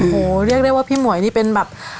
โหเรียกได้ว่าพี่หมวยนี่เป็นแบบ